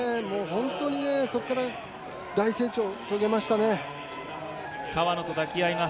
本当に、そこから大成長を遂げましたね。